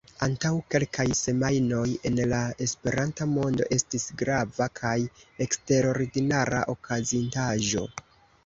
Antaŭ kelkaj semajnoj en la Esperanta mondo estis grava kaj eksterordinara okazintaĵo.